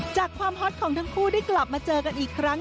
จากความฮอตของทั้งคู่ได้กลับมาเจอกันอีกครั้ง